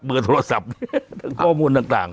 เมื่อโทรศัพท์ข้อมูลต่าง